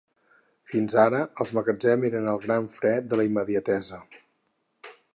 Fins ara, els magatzems eren el gran fre de la immediatesa.